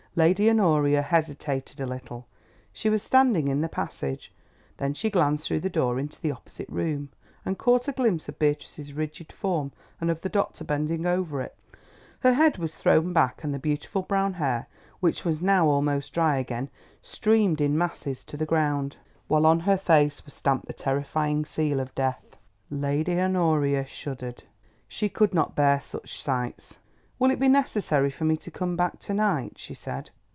Lady Honoria hesitated a little; she was standing in the passage. Then she glanced through the door into the opposite room, and caught a glimpse of Beatrice's rigid form and of the doctor bending over it. Her head was thrown back and the beautiful brown hair, which was now almost dry again, streamed in masses to the ground, while on her face was stamped the terrifying seal of Death. Lady Honoria shuddered. She could not bear such sights. "Will it be necessary for me to come back to night?" she said.